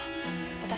私